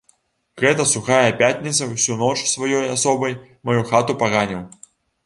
Гэта сухая пятніца ўсю ноч сваёй асобай маю хату паганіў.